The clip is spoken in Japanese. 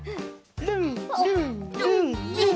ルンルンルンルン！